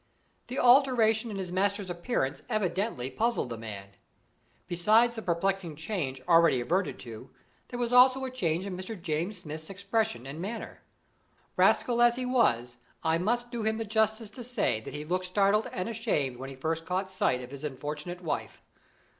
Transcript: The alteration in his master's appearance evidently puzzled the man. Besides the perplexing change already adverted to, there was also a change in Mr. James Smith's expression and manner. Rascal as he was, I must do him the justice to say that he looked startled and ashamed when he first caught sight of his unfortunate wife.